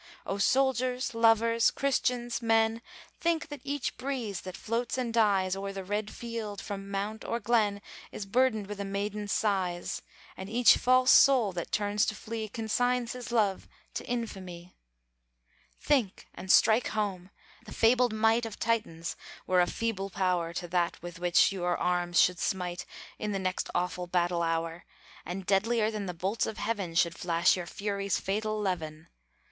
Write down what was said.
O soldiers, lovers, Christians, men! Think that each breeze that floats and dies O'er the red field, from mount or glen, Is burdened with a maiden's sighs And each false soul that turns to flee, Consigns his love to infamy! Think! and strike home! the fabled might Of Titans were a feeble power To that with which your arms should smite In the next awful battle hour! And deadlier than the bolts of heaven Should flash your fury's fatal leven!